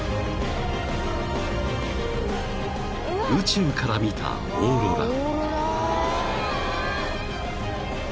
［宇宙から見たオーロラ］